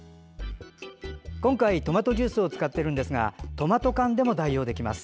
今回、トマトジュースを使っているんですがトマト缶でも代用できます。